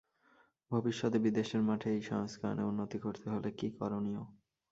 ভবিষ্যতে বিদেশের মাঠে এই সংস্করণে উন্নতি করতে হলে কী করণীয়?